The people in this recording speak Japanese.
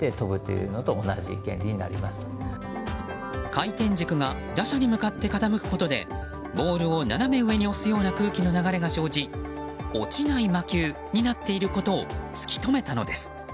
回転軸が打者に向かって傾くことでボールを斜め上に押すような空気の流れが生じ落ちない魔球になっていることを突き止めたのです。